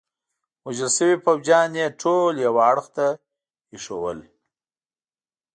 وژل شوي پوځیان يې ټول یوه اړخ ته ایښودل.